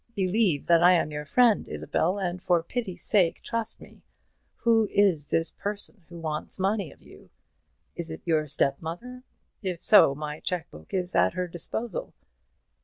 Believe that I am your friend, Isabel, and for pity's sake trust me. Who is this person who wants money of you? Is it your step mother? if so, my cheque book is at her disposal."